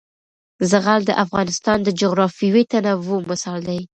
زغال د افغانستان د جغرافیوي تنوع مثال دی.